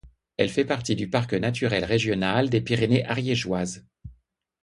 Elle fait partie du parc naturel régional des Pyrénées ariégeoises.